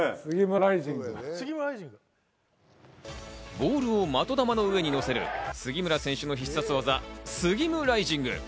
ボールを的球の上にのせる杉村選手の必殺技スギムライジング。